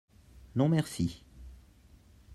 Non merci.